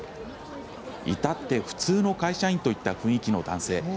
至って普通の会社員といった雰囲気の男性。